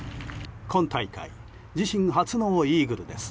今大会自身初のイーグルです。